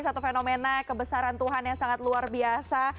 satu fenomena kebesaran tuhan yang sangat luar biasa